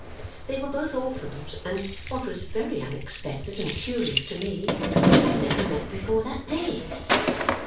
They were both orphans and (what was very unexpected and curious to me) had never met before that day.